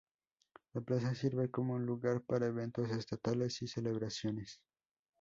La plaza sirve como un lugar para eventos estatales y celebraciones.